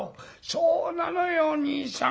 「そうなのよ兄さん。